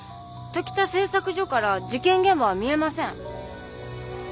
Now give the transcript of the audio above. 時田製作所から事件現場は見えません。